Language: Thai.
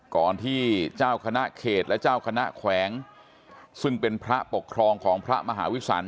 ก่อนที่เจ้าคณะเขตและเจ้าคณะแขวงซึ่งเป็นพระปกครองของพระมหาวิสัน